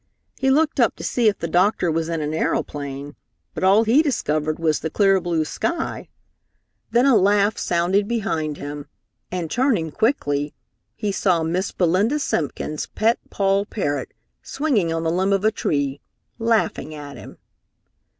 He looked up to see if the doctor was in an aeroplane, but all he discovered was the clear, blue sky. Then a laugh sounded behind him and, turning quickly, he saw Miss Belinda Simpkin's pet Poll parrot swinging on the limb of a tree, laughing at him.